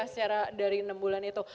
secara dari enam bulan itu